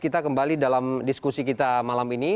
kita kembali dalam diskusi kita malam ini